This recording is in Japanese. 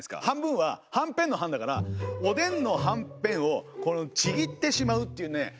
「半分」ははんぺんの「半」だからおでんのはんぺんをちぎってしまうっていうね